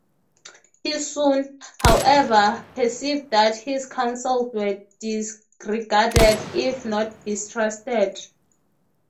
He soon, however, perceived that his counsels were disregarded, if not distrusted.